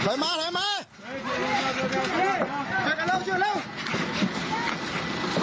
เจอกันเร็วเจอกันเร็วเจอกันเร็ว